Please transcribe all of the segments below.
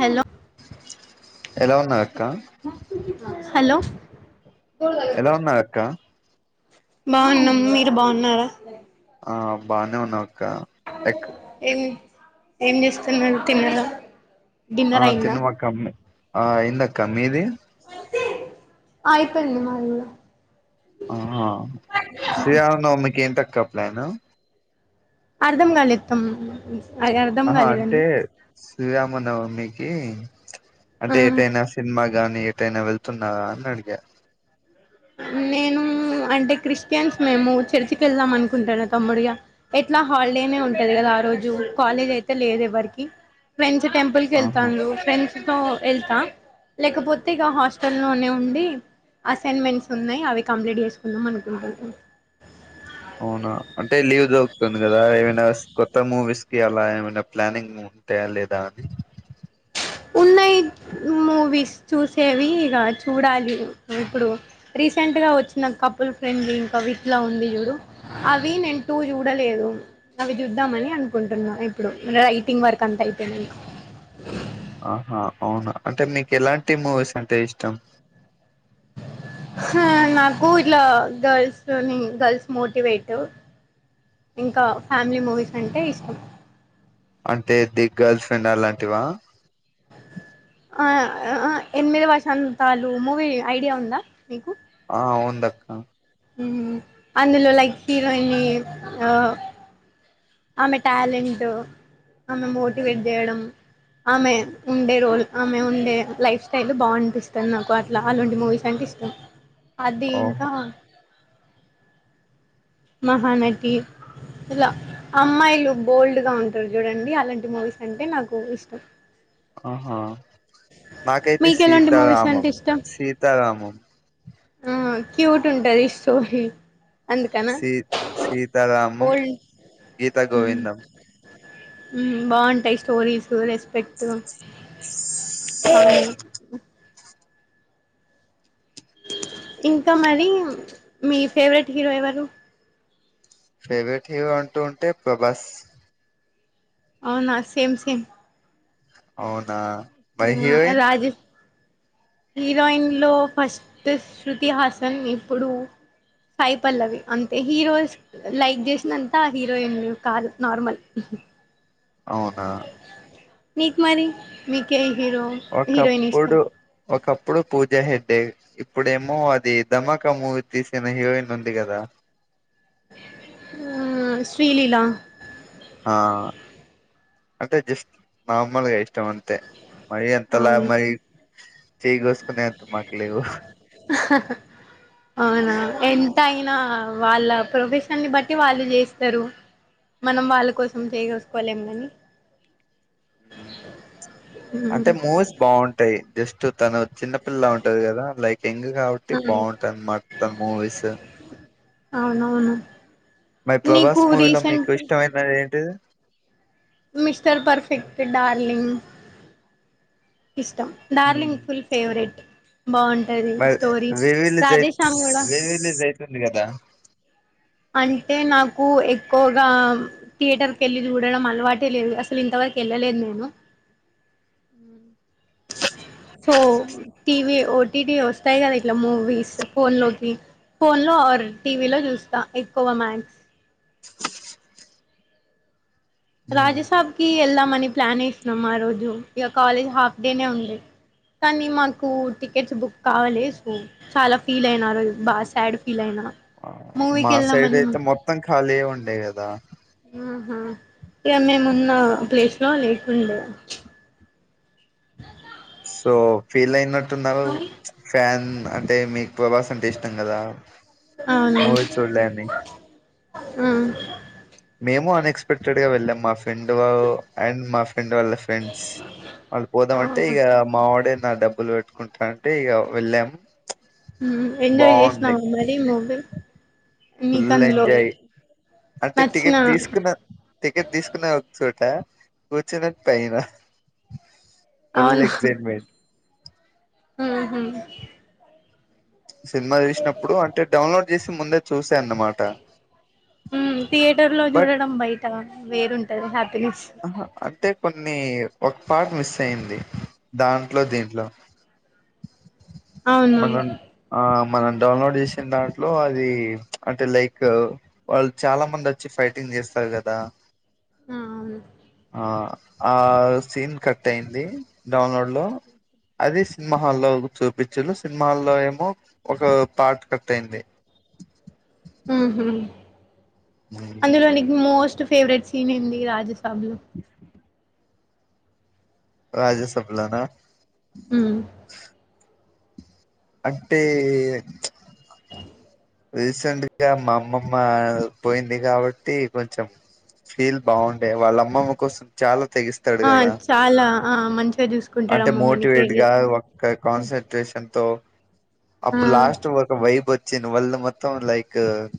Hello ఎలా ఉన్నావ్ అక్క హలో ఎలా ఉన్నార్ అక్క బాగున్నాం మీరు బాగున్నారా ఆ బాగానే ఉన్నాం ఏం ఏం చేస్తున్నారు తిన్న రా ఆ తిన్నమక్క ఉమ్మె ఆ అయ్యిందక్కమ్ ఆ అయిప్పెంది మాది కూడా ఆహ శ్రీరామ నవమికి ఎంత క ప్లాను అర్ధం కాలిత్తం ఆహా అంటే శ్రీరామనవమ్ నికి ఆ అంటే ఏటైనా సినిమా కాగాని ఏటైనా వెళ్తున్నా అని అడిగా నేను అంటే క్రిస్టియన్స్ మేము చర్చికి వెళ్దాం అనుకుంటానుతమ్ముడిగా, ఎట్లా హాలిడేనే ఉంటది కదా ఆ రోజు కాలేజ్ అయితే లేదు ఎవ్వరికి ఫె టెంపులకి ఆహా వెల్తాండు ఫ్రెండ్స్ తో వెళ్తా లేకపోతే ఇక హాస్టల్ లోనే ఉండి అసైన్మెంట్స్ ఉన్నాయి అవి కంప్లీట్ చేసుకుందాం అనుకుంటం అవునా అంటే లీవ్ దొకుతుంది కదా ఏమైనా కొత్త మూవీస్ కి అలా ఏమైనా ప్లానింగ్ ఉంటాయా లేదా అని ఉన్నాయి మూవీస్ చూసేవి ఇక చూడాలి, ఇప్పుడు రీసెంట్గా వచ్చిన కపుల్ ఫ్రెండ్లీ ఇంకా విత్లా ఉంది చూడు, అవి నేను టూ చూడలేదు, అవి చూద్దామని అనుకుంటున్నా ఇప్పుడు రైటింగ్ వర్క్ అంత అయితే నేను ఆహా అవునా అంటే మీకు ఎలాంటి మూవీస్ అంటే ఇష్టం నాకు ఇలా గర్ల్స్ని గర్ల్స్ మోటివేట్ ఇంకా ఫ్యామిలీ మూవీస్ అంటే ఇష్టం అంటే దిగ్ గర్ల్స్ అలాంటివా అ అ ఎనిమిది వషాంతాలు మూవీ ఐడియా ఉందా ఆ ఉవుందక్క మ్ అందులో లైక్ హీరోయిని ఆ ఆమె టాలెంట్ ఆమె మోటివేట్ చేయడం ఆమె ఉండే రోల్ ఆమె ఉండే లైఫ్ స్టైల్ బాగునిపిస్తుంది నాకు, అట్లా అలాంటి మూవీస్ అంటే ఇష్టం అది ఓహో ఇంకా మహాన ఇలా అమ్మాయిలు బోల్డ్ గా ఉంటు చూడండి అలాంటి మూవీస్ అంటే నాకు ఇష్టం ఆహా మాకైతే మీకు ఎలాంటి మూవీస్ సీతారామం అంటే ఇష్టం సీతారామం ఆ క్యూట్ ఉంటది సోహి సీ సీతారమం ఓల్డ్ గీత మ్మ్ గోవిందం బాగుంటాయి స్టోరీస్ రెస్పెక్ట్ కానీ ఇంకా మరి మీ ఫేవరెట్ హీరో ఎవరు ఫేవరెట్ హీరో అంటూ ఉంటే ప్రభాస్ అవునా సేమ్ సేమ్ అవునా మరి హీరోయిన్ రాజ హీరోయిన్ లో ఫస్ట్ శృతి హాసన్ ఇప్పుడు సాయి పల్లవి అంతే హీరోస్ లైక్ చేసినంతా హీరోయిన్ కాదు నార్మల్ అవునా నీకు మరి మీకే హీరో హరోయిన్ ఇష్టం ఒకప్పుడు ఒకప్పుడు పూజా హెగ్డే ఇప్పుడేమో అది ధమాక మూవీ తీసిన హీరోయిన్ ఉంది కదా ఉమ్ శ్రీలీలా ఆ అంటే జస్ట్ నార్మల్గా ఇష్ట ఇష్టం అంతే మరి అంతలా అవును మరి చేయిగోసుకునే అంత మాకు లేవు అవునవును ఎంత అయినా వాళ్ళ ప్రొఫెషన్నీ బట్టి వాళ్ళు చేస్తరు మనం వాళ్ళ కోసం చెయ్యి కోసుకోలేము కాని అంటే మూవీస్ బాగుంటాయి జస్ట్ తను చిన్నపిల్లలా ఉంటది కదా లైక్ యంగ్ కాబట్టి బాగుంటదన్నమాట మూవీస్ అవునవును మరి ప్రభాస్ నీకు మూవీలో మీకు రీసెంట్ ఇష్టమైనది ఏంటిది మిస్టర్ పర్ఫెక్ట్, డార్లింగ్ ఇష్టం హ్మ్ డార్లింగ్ ఫుల్ ఫేవరెట్ బాగుంటది మరి స్టోరీ రీరిలీస్ రాధేశ్యామ్ కూడా రీరిలీజ్ అయి తుంది కదా అంటే నాకు ఎక్కువగా థియేటర్ కి వెళ్ళి చూడడం అలవాటే లేదు అసలు ఇంతవరకు వెళ్ళలేదు నేను సో టీవీ ఓటీటీ వస్తాయి కదా ఇట్లా మూవీస్ ఫోన్ లోకి ఫోన్ లో ఆర్ టీవీ లో చూస్తా ఎక్కువ మ్యాక్స్ మ్మ్. రాజా సాబ్ కి ఎల్దాం మని ప్లాన్ వేసినము ఆ రోజు ఇక కాలేజ్ హాఫ్ డేనే ఉండే కానీ మాకు టికెట్స్ బుక్ కాలే సో చాలా ఫీల్ అయినా ఆ రోజు బాగా సాడ్ ఫీల్ అయినా ఆ మూవీకి మా సైడ్ వెళ్దామని అయితే మొత్తం ఖాళీ యే ఉండే ఉండే కదా ఉహు ఏం మేమున్న ప్లేస్ నో లేకుండే సో ఫీల్ అయినట్ తున్నా [unintelligible] ఓ ఫ్యాన్ అంటే మీకు ప్రభాస్ అంటే ఇష్టం కదా అవును మూవీ చూడ్డానికి మేము అన్ ఎక్స్పెక్టెడ్ గా వెళ్ళాం మా ఫ్రెండు అండ్ మా ఫ్రెండ్ వాళ్ళ ఫ్రెండ్స్ వాళ్ళు ఆ పోదామంటే ఇక మా వాడే నా డబ్బులు పెట్టుకుంటానుంటే ఇక వెళ్ళాము హు ఎంజాయ్ చేసినావ మరి మూవీ నీకు ఫుల్ అందులో ఎంజాయ్ అంటే నచ్చిన టికెట్ తీసుకున్న టికెట్ తీసుకునే ఒక చోట కూర్చున్నట్టనా ఫుల్ ఎగ్జాక్ట్మేంట్ ఉహు సినిమా చూసినప్పుడు అంటే డౌన్లోడ్ చేసి ముందు చూస్త తున్న మాట త్రీహెటర్లో చూడడం బయట వేరుఉంటది హ్యా అహా అంటే కొన్ని ఒక పార్ట్ మిస్ అయింది దాంట్లో దీంట్లో మం అవునా ఆమా మనం డౌన్లోడ్ చేసిన దాంట్లో అది అంటే లైక్ వాళ్ళు చాలా మంది వచ్చి ఫైటింగ్ చేస్తారు కదా ఆహా ఆవును ఆ ఆ సీన్ కట్ అయింది డౌన్లోడ్ లో అది సినిమా హాల్లో చూపించు సినిమా హాల్లో ఏమో ఒక పార్ట్ కట్ అయింది ఉహుమ్ అందులో నీకు మోస్ట్ ఫేవరెట్ సీన్ ఏంది రాజసబ లో రాజసభలనా ఉ అంటే రీసెంట్గా మా అమ్మమ్మ పోయింది కాబట్టి కొంచెం ఫీల్ బాగుండే వాళ్ళ అమ్మమ్మ కోసం చాలా తెగిస్తాడు ఆ కదా చాలా ఆ మంచిగా చూసుకో అంటే మోటివేట్ గా ఒక్క కాన్సట్రేషన్ తో తో ఆ అప్పుడు లాస్ట్ ఒక వైబొ చిన్ ఒళ్లు మొత్తం లైక్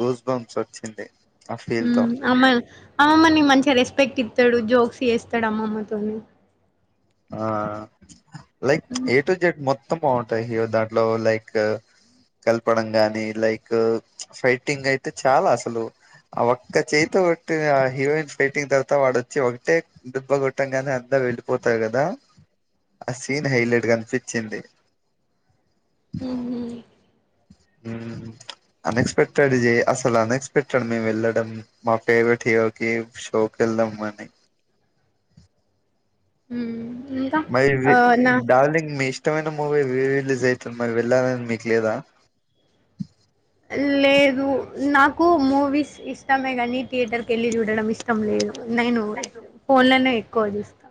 గూస్ బంస్ వచ్చింది ఆ ఫీల్ తో మ్మ్ అమర్ అమ్మమ్మ నీకు మంచిగా రెస్పెక్ట్ ఇత్తడు జోక్స్ చేస్తాడు అమ్మమ్మతోనీ ఆ like um A to Z మొత్ మొత్తం బాగుంటాయి హీరో దాంట్లో లైక్ కలపడం గాని లైక్ ఫైటింగ్ అయితే చాలా అసలు ఆ ఒక్క చేయి కొట్టి ఆ హీరోయిన్ ఫైటింగ్ తర్వాత వాడొచ్చి ఒకటే దుబ్బ కొట్టం గానే అంతా వెళ్ళిపోత్ త కదా ఆ సీన్ హైలైట్ కనిపిచ్చింది మ్మ్ హ్మ్ మ్మ్ అన్ఎక్స్పెక్టెడ్ అసలు అన్ఎక్స్పెక్టెడ్ మేము వెళ్ళడం మా ఫేవరెట్ హీరోకి షోకి వెళ్దాం అని మ్మ్ మరి డార్లింగ్ మిస్ ఇష్టమైన మూవీ రీ రిలీజ్ అవుతుంది మరి వెళ్ళాలని మీకు లేదా లేదు నాకు మూవీస్ ఇష్టమే గాని థియేటర్ కెళ్ళి చూడడం ఇష్టం లేదు నేను ఫోన్ లో నే క్కువ చూస్తా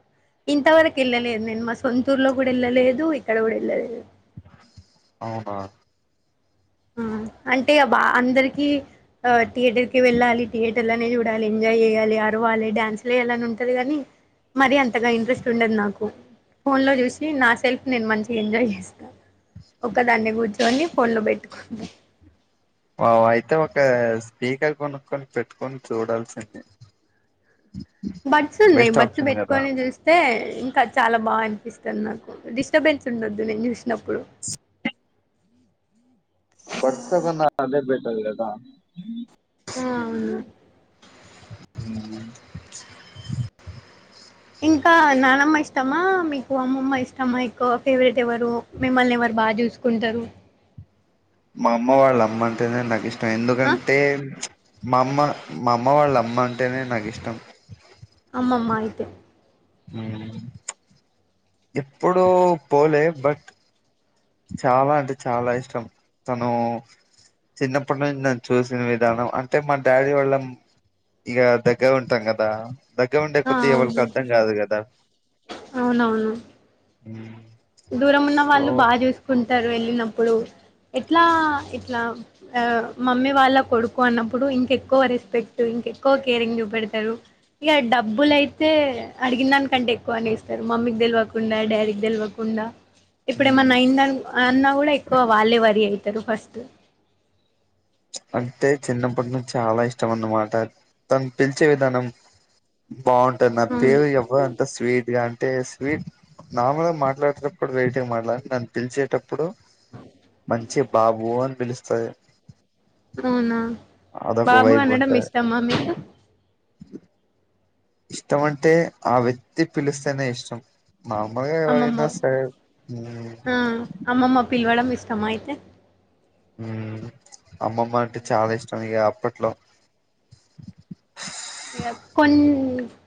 ఇంతవరకు ఎళ్ళలేదు నేను మా సొంతూర్లో కూడా ఎళ్ళలేదు ఇక్కడ కూడా ఎళ్ళలేదు అవునా ఆ అంటే బా అందరికి ఆ థియేటర్ కి వెళ్ళాలి థియేటర్ లోనే చూ డాలి ఎంజాయ్ చేయాలి అరవాలి డ్యాన్సులు ఎయ్యాలని ఉంటది గానీ మరీ అంతగా ఇంట్రెస్ట్ ఉండదు నాకు ఫోన్ లో చూసి నా సెల్ఫ్ నేను మంచిగా ఎంజాయ్ చేస్తా ఒకదాన్నే కూర్చోని ఫోన్లో బెట్ న్నా [unintelligible] వా అయితే ఒక స్పీకర్ కొనుక్కని పెట్టుకొని చూడాల్సింది బట్స్ ఉన్నాయి బెస్ట్ బట్స్ ఆప్షన్ కదా పెట్టుకని చూస్తే ఇంకా చాలా బాగా అనిపిస్తుంది నాకు డిస్టర్బెన్స్ ఉండొద్దు నేను చూసినప్పుడు బర్ట్స కన్నా అదే బెటర్ కదా ఆ అవును మ్మ్ ఇంకా నానమ్మ ఇష్టమా మీకు అమ్మమ్మ ఇష్టమా ఎక్కువ ఫేవరెట్ ఎవరు మిమ్మల్ని ఎవరు బాగా చూసుకుంటరు మా అమ్మ వాళ్ళ అమ్మ అంటేనే నాకిష్ ఆ ఎందుకంటే మా అమ్మ మా అమ్మ వాళ్ళ అమ్మ అంటేనే నాకిష్టం అమ్మమ్మ అయితే హ్మ్ ఎప్పుడూ పోలే బట్ చాలా అంటే చాలా ఇష్టం తను చిన్నప్పటి నుంచి నన్ను చూసిన విధానం అంటే మా డాడీ వాళ్ళ ఇగ దగ్గరుంటం కదా దగ్గరా ఉండే ఆ కొద్ది ఎవరికి అవును అర్థం కాదు కదా అవునవును మ్ దూరం ఉన్న వాళ్ళు బాగా చూసు కుంటారు వెళ్ళినప్పుడు ఎట్లా ఇట్లా అ మమ్మీ వాళ్ళ కొడుకు అన్నప్పుడు ఇంకెక్కువ రెస్పెక్ట్ ఇంకెక్కువ కేరింగ్ చూపెడతారు, ఇక డబ్బులయితే అడిగిన దానికంటే ఎక్కువ అనేస్తారు మమ్మీకి తెలవకుండా డాడీకి తెలవకు కుండా ఇప్పుడేమన్నా ఉమ్, అయింద అన్న కూడా ఎక్కువ వాళ్లే వారి తను ఫస్ట్ అంటే చిన్నప్పటి నుంచి చాలా ఇష్టం అన్నమాట తను పిలిచే విధానం బాగుంటుంది నా అవును పేరు ఎవ్వరంత స్వీట్ గా స్వీట్ మాములుగా మాట్లాడేటప్పుడు రేటింగ్ మాట్లాననీ పిలిచేటప్పుటె ఇప్పుడు మంచి బాబు అని పిలుస్తాయి అవునా బాబు వైబ్ అనడం ఉంటది ఇష్టమా మీకు ఇష్టం అంటే ఆ వ్యక్తి పిలుస్తేనే ఇష్టం మాములుగా అమ్మమ్మ ఎవరైనా సరే మ్ ఆ అమ్మమ్మ పిలవడం ఇష్టమ అయితే అమ్మమ్మ అంటే చాలా ఇష్టం ఇక అప్పట్లో ఇగ కొన్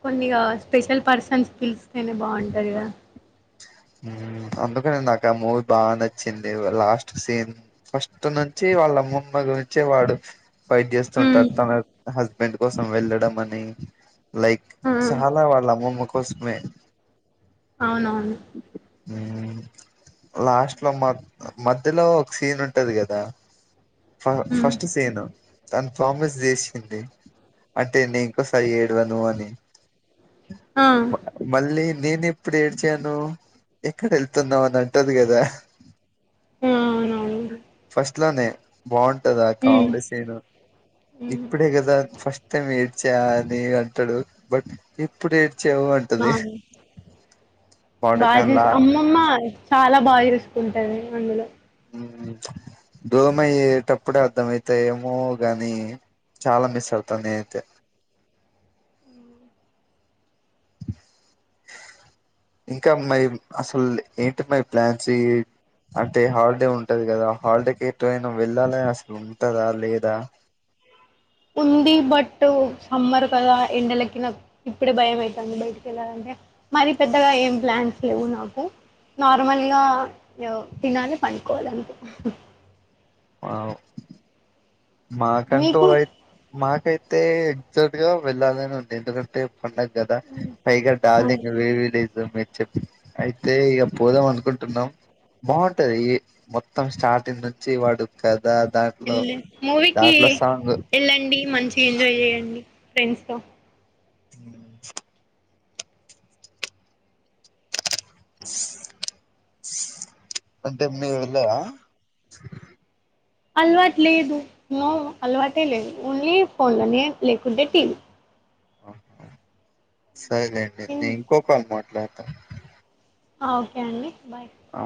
కొన్నిగా స్పెషల్ పర్సన్స్ పిలిస్తేనే బాగుంటాది కదా మ్ అందుకని నాకు ఆ మూవీ బాగా నచ్చింది, లాస్ట్ సీన్ ఫస్ట్ నుంచి వాళ్ళ ముమ్మ గురించే వాడు బైట్ హ్మ్ చేస్తుంటాడు తన హస్బెండ్ కోసం వెళ్ళడం అని లైక్ ఆ చాలా వాళ్ళ అమ్మమ్మకు కొస్మే అవునవును హ్మ్ లాస్ట్ లో మద్ మధ్యలో ఒక సీన్ ఉంటది కదా ఫ హ్మ్ ఫస్ట్ సీను తను ప్రామిస్ చేసింది. అంటే నేను ఇంకోసారి ఏడవను అని ఆ మ మళ్ళీన్ నేను ఎప్పుడు ఏడ్చాను ఎక్కడ వెళ్తున్నాం అని అంటది కదా ఆ అవునవును ఫస్ట్ ఇట్లానే బాగుం టది. ఆ హ్మ్ కామెడీ సీన్ హ్మ్ ఇప్పుడే కదా ఫస్ట్ టైం ఏడ్చా అని అంటాడు. బట్ ఇప్పుడు ఏడ్చావు అంటది. వాడకంలా బాజుసి అమ్మెమ్మా చాలా బాగా ఇరుసుకుంటంది అందులో మ్మ్ దూరం అయ్యేటప్పుడే అర్ధం అయితాయ్, ఏమో గాని చాలా మిస్ అవుతాను నే అయితే ఇంకా మై అసలు ఏంటి మై ప్లాన్స్, ఇ అంటే హాలిడే ఉంటది. కదా హాలిడేకి ఎట్ట్ వైనా వెళ్ళాలే అసలు ఉంటదా, లేదా ఉంది. బట్ సమ్మర్ కదా ఎండలకి నక్ ఇప్పుడే భయం అయితంది. బయటికి వెళ్ళాలంటే మరీ పెద్దగా ఏం ప్లాన్స్ లేవు. నాకు నార్మల్గా తన్నాల పం కోలంపు ఆఓ మీకు మాహకయి మాహకాయి అయితే ఎగ్జాక్ట్ గా వెళ్ళాలనే ఉంది ఎందుకంటే ఉండదు కదా పైగా డాలింగ్ అవును వేవ లేదు మీరు చెప్ప అయితే ఇక పోదాం అనుకుంటున్నాం బాగుంటది మొత్తం స్టార్టింగ్ నుంచి వాడు కదా దాంట్లో కి దాంట్లో సాంగ్ వెళ్ళండి మంచిగా ఎంజాయ్ చేయండి ఫ్రెండ్స్ తో హ్మ్ అంటే మీ వెళ్ళయా అలవాటు లేదు నో అలవాటే లేదు ఓన్లీ ఫోన్లోనే లేకుద్దే టీవ ఆఓహ సరే అండి నేను ఇంకొక అనమాట బహతర్ ఓకే అండి బాయ్ ఆ